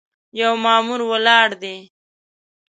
یو مامور ولاړ دی.